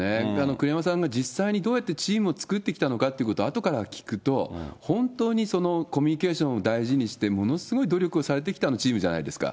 栗山さんが実際にどうやってチームを作ってきたのかということをあとから聞くと、本当にコミュニケーションを大事にして、ものすごい努力をされてきたチームじゃないですか。